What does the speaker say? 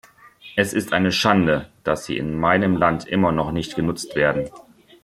Es ist eine Schande, dass sie in meinem Land immer noch nicht genutzt werden.